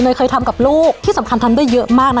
เคยทำกับลูกที่สำคัญทำได้เยอะมากนะ